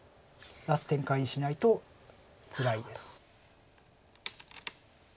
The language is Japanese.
出す展開にしないとつらいです。